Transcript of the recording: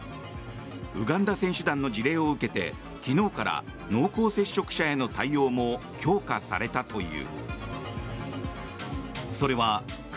ウガンダ選手団の事例を受けて昨日から濃厚接触者への対応も強化されたという。